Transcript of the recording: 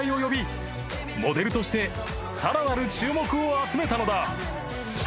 ［モデルとしてさらなる注目を集めたのだ］